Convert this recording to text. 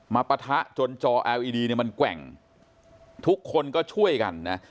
ปะทะจนจอเอลอีดีเนี่ยมันแกว่งทุกคนก็ช่วยกันนะ